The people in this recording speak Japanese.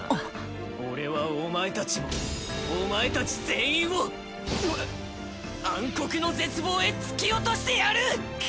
俺はお前たちをお前たち全員を暗黒の絶望へ突き落としてやる！